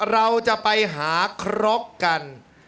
เราจะไปหาครกกัน